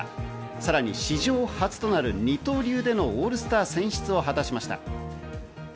さらに史上初となる二刀流でのオールスター選出を果たしました。